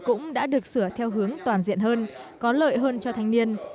cũng đã được sửa theo hướng toàn diện hơn có lợi hơn cho thanh niên